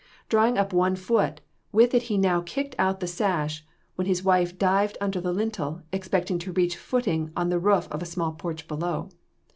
Drawing up one foot, with it he now kicked out the sash, when his wife dived out under the lintel, expecting to reach footing on the roof of a small porch below.